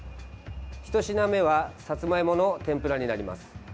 １品目はさつまいもの天ぷらになります。